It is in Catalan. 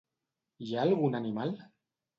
Hi ha algun animal?